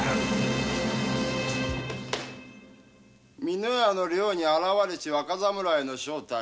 美濃屋の寮に現れた若侍の正体